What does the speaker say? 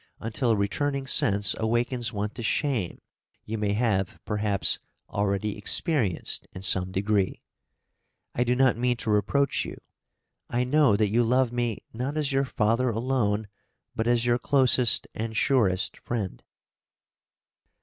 until returning sense awakens one to shame, you may have, perhaps, already experienced in some degree. I do not mean to reproach you. I know that you love me not as your father alone, but as your closest and surest friend.